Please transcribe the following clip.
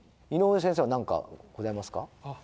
井上先生は何かございますか？